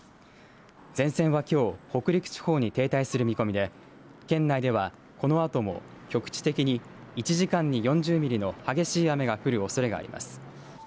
前線は、きょう北陸地方に停滞する見込みで県内では、このあとも局地的に１時間に４０ミリの激しい雨が降るおそれがあります。